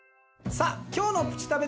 さあ今日の『プチたべ』